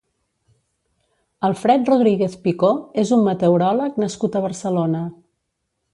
Alfred Rodríguez Picó és un meteoròleg nascut a Barcelona.